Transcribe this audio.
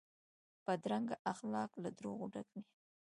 بدرنګه اخلاق له دروغو ډک وي